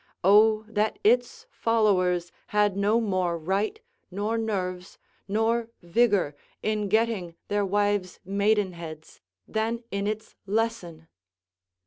Oh, that its followers had no more right, nor nerves, nor vigour in getting their wives' maidenheads than in its lesson.